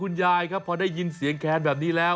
ยายครับพอได้ยินเสียงแคนแบบนี้แล้ว